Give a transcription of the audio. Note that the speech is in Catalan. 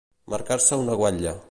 Marcar-se una guatlla.